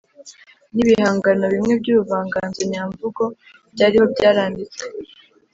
n’ibihangano bimwe by’ubuvanganzo nyamvugo byariho byaranditswe.